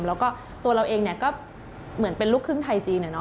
แล้วก็ตัวเราเองก็เหมือนเป็นลูกครึ่งไทยจีน